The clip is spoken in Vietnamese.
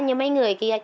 đó như mấy người kia kìa